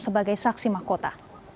sebagai saksi mahkota